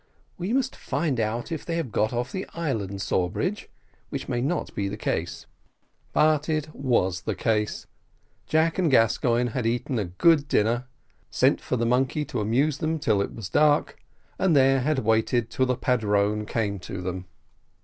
"We must find out if they have got off the island, Sawbridge, which may not be the case." But it was the case. Jack and Gascoigne had eaten a very good dinner, sent for the monkey to amuse them till it was dark, and there had waited till the padrone came to them.